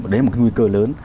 đấy là một cái nguy cơ lớn